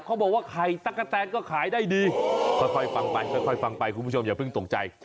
เขาบอกว่าไข่ตะกะแตนก็ขายได้ดีค่อยฟังไปค่อยฟังไปคุณผู้ชมอย่าเพิ่งตกใจ